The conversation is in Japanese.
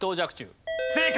正解！